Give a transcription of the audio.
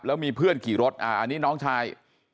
แล้วมีเพื่อนกี่รถอันนี้น้องชาย